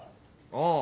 ああ。